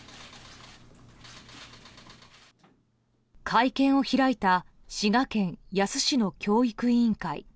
会見を開いた滋賀県野洲市の教育委員会。